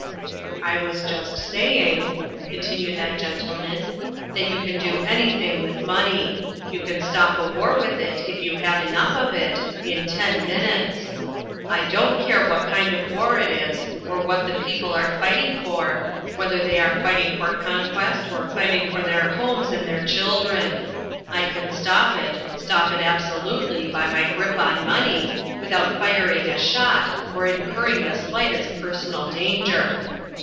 "I was just saying," continued that gentleman, "that you can do anything with money. You can stop a war with it if you have enough of it, in ten minutes. I don't care what kind of war it is, or what the people are fighting for, whether they are fighting for conquest or fighting for their homes and their children. I can stop it, stop it absolutely by my grip on money, without firing a shot or incurring the slightest personal danger."